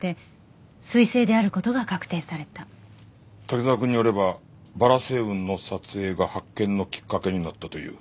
「滝沢君によればバラ星雲の撮影が発見のきっかけになったという」